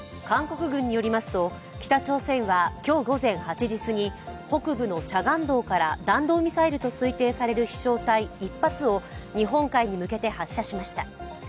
韓国軍によりますと、北朝鮮は今日午前８時すぎ北部のチャガンドから弾道ミサイルと推定される飛翔体１発を日本海に向けて発射しました。